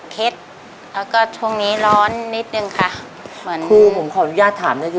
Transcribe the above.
แล้วก็ช่วงนี้ร้อนนิดนึงค่ะเหมือนคู่ผมขออนุญาตถามก็คือ